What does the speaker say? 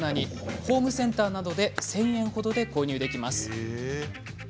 ホームセンターなどで１０００円ほどで購入できます。